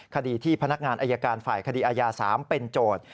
คดีที่พนักงานอายการฝ่ายคดีอายา๓เป็นโจทย์